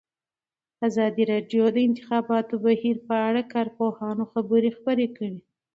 ازادي راډیو د د انتخاباتو بهیر په اړه د کارپوهانو خبرې خپرې کړي.